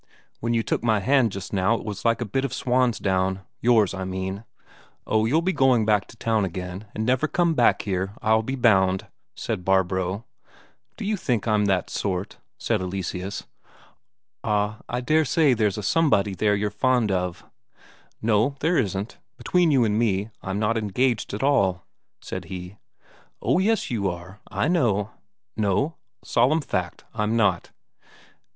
"When you took my hand just now it was like a bit of swan's down yours, I mean." "Oh, you'll be going back to town again, and never come back here, I'll be bound," said Barbro. "Do you think I'm that sort?" said Eleseus. "Ah, I dare say there's a somebody there you're fond of." "No, there isn't. Between you and me, I'm not engaged at all," said he. "Oh yes, you are; I know." "No, solemn fact, I'm not."